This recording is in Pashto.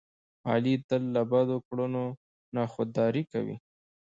علي تل له بدو کړنو نه خوداري کوي.